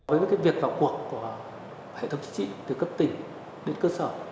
với việc vào cuộc của hệ thống chính trị từ cấp tỉnh đến cơ sở